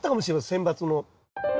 選抜の。